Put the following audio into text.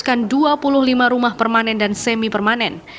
menyiapkan dua puluh lima rumah permanen dan semi permanen